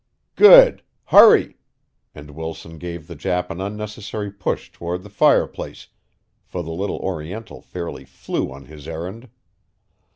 "Good hurry!" and Wilson gave the Jap an unnecessary push toward the fireplace, for the little Oriental fairly flew on his errand.